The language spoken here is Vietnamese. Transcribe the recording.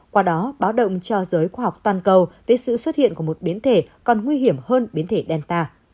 qua đó báo động cho giới khoa học toàn cầu về sự xuất hiện của một biến thể còn nguy hiểm hơn biến thể delta